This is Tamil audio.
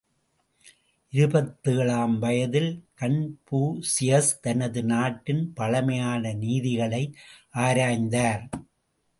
இருபத்தேழாம் வயதில் கன்பூசியஸ், தனது நாட்டின் பழமையான நீதிகளை ஆராய்ந்தார்!